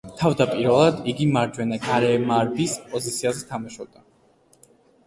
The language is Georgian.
თავდაპირველად, იგი მარჯვენა გარემარბის პოზიციაზე თამაშობდა.